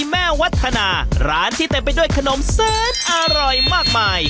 แม่วัฒนาร้านที่เต็มไปด้วยขนมซื้นอร่อยมากมาย